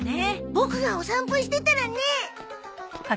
ボクがお散歩してたらね。